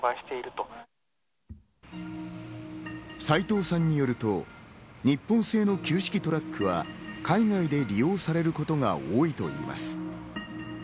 斎藤さんによると、日本製の旧式トラックは海外で利用されることが多いといいます。